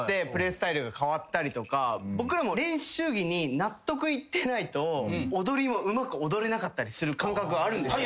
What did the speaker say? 僕らも練習着に納得いってないと踊りもうまく踊れなかったりする感覚あるんです。